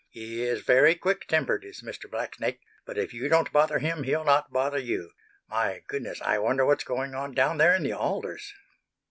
He is very quick tempered, is Mr. Blacksnake, but if you don't bother him he'll not bother you. My goodness, I wonder what's going on down there in the alders!"